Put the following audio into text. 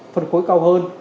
phân cối cao hơn